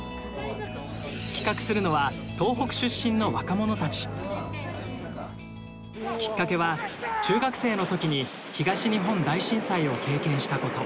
企画するのはきっかけは中学生の時に東日本大震災を経験したこと。